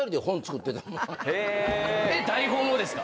台本をですか？